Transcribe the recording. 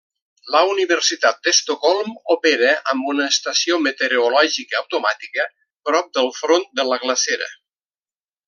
La Universitat d'Estocolm opera amb una estació meteorològica automàtica prop del front de la glacera.